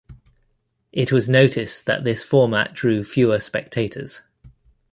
It was noticed that this format drew fewer spectators.